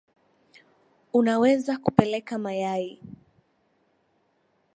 Unaweza kupeleka mayai